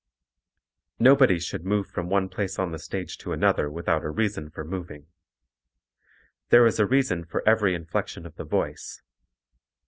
Nobody should move from one place on the stage to another without a reason for moving. There is a reason for every inflection of the voice.